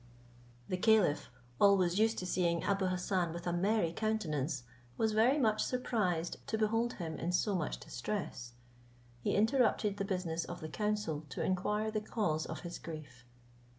The caliph, always used to see Abou Hassan with a merry countenance, was very much surprised to behold him in so much distress. He interrupted the business of the council to inquire the cause of his grief.